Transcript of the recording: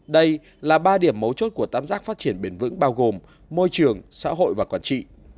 đây là ba điểm mấu chốt của tám giác phát triển bền vững bao gồm môi trường xã hội và quản trị